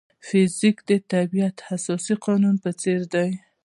فزیک د طبیعت اساسي قوانین څېړي.